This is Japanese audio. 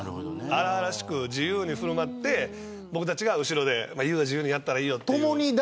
荒々しく自由に振る舞って僕たちが後ろで、有は自由にやっていいよみたいな。